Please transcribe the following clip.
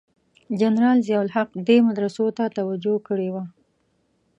جنرال ضیأ الحق دې مدرسو ته توجه کړې وه.